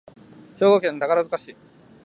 兵庫県宝塚市